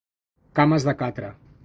Cames de catre.